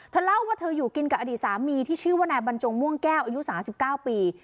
เล่าว่าเธออยู่กินกับอดีตสามีที่ชื่อว่านายบรรจงม่วงแก้วอายุ๓๙ปี